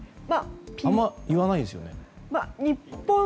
あまり言わないですよね。